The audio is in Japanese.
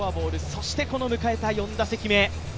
そして迎えた４打席目。